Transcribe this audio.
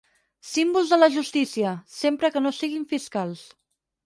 Símbols de la justícia, sempre que no siguin fiscals.